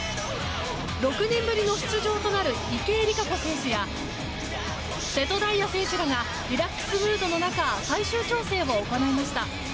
６年ぶりの出場となる池江璃花子選手や瀬戸大也選手らがリラックスムードの中最終調整を行いました。